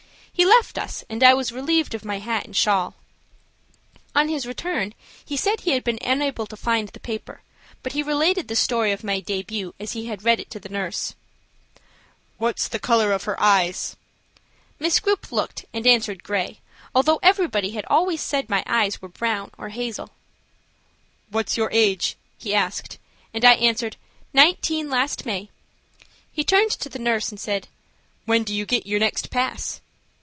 He left us, and I was relieved of my hat and shawl. On his return, he said he had been unable to find the paper, but he related the story of my debut, as he had read it, to the nurse. "What's the color of her eyes?" Miss Grupe looked, and answered "gray," although everybody had always said my eyes were brown or hazel. "What's your age?" he asked; and as I answered, "Nineteen last May," he turned to the nurse, and said, "When do you get your next pass?"